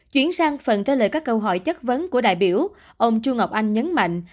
chuyển sang phần trả lời các câu hỏi chất vấn của đại biểu ông chu ngọc anh nhấn mạnh